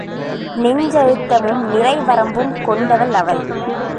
நெஞ்சழுத்தமும் நிறை வரம்பும் கொண்டவள் அவள்.